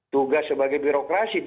tugas sebagai birokrasi